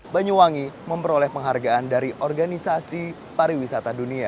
banyuwangi memperoleh penghargaan dari organisasi pariwisata dunia